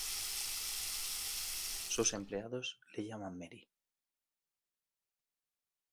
Sus empleados le llaman Mary.